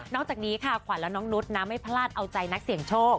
จากนี้ค่ะขวัญและน้องนุษย์นะไม่พลาดเอาใจนักเสี่ยงโชค